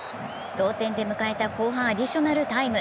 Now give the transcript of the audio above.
同点で迎えた後半アディショナルタイム。